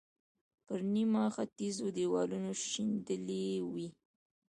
پر نیمه خټینو دیوالونو شیندلې وې.